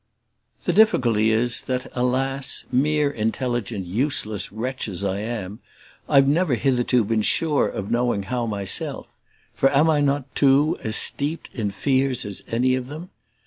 The difficulty is that, alas, mere intelligent useless wretch as I am, I've never hitherto been sure of knowing how myself; for am I too not as steeped in fears as any of them?